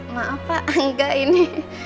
maaf pak enggak ini